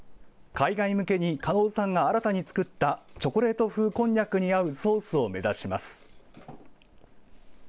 海外向けに狩野さんが新たに作ったチョコレート風こんにゃくに合うソースを目指します。